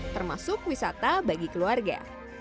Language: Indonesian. termasuk wisata bagi keluarga